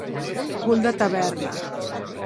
Cul de taverna.